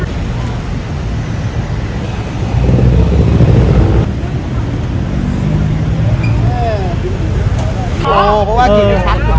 เราไม่มีในเกี่ยวกับภูมิศาสนา